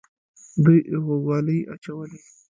دوی غوږوالۍ اچولې